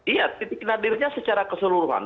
iya titik nadirnya secara keseluruhan